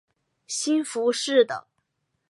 兴福寺的。